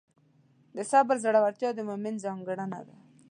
د صبر زړورتیا د مؤمن ځانګړنه ده.